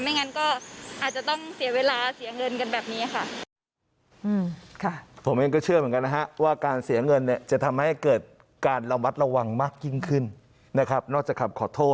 งั้นก็อาจจะต้องเสียเวลาเสียเงินกันแบบนี้ค่ะ